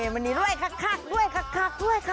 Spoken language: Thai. มานี้รวยคลักคัก